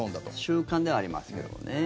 習慣ではありますけどね。